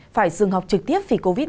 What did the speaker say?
phải dừng học trực tiếp vì covid một mươi